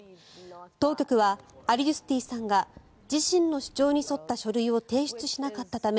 当局はアリドゥスティさんが自身の主張に沿った書類を提出しなかったため